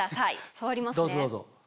触りますね。